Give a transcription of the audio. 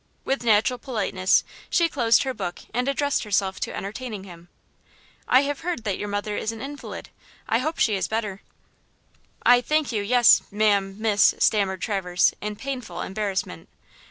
With natural politeness she closed her book and addressed herself to entertaining him. "I have heard that your mother is an invalid; I hope she is better." "I thank you–yes, ma'am–miss," stammered Traverse, in painful embarrassment.